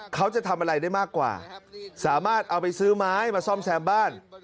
เขาจะทำอะไรได้มากกว่าสามารถเอาไปซื้อไม้มาซ่อมแซมบ้าน